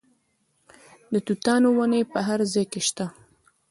د توتانو ونې په هر ځای کې شته.